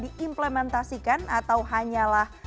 diimplementasikan atau hanyalah